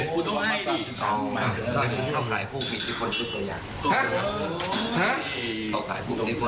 ก็จะข่าย